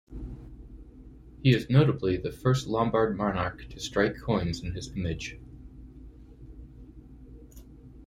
He is notably the first Lombard monarch to strike coins in his image.